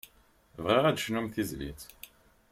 Bɣiɣ ad d-tecnum tizlit.